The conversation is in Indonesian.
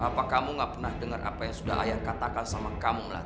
apa kamu gak pernah dengar apa yang sudah ayah katakan sama kamu melati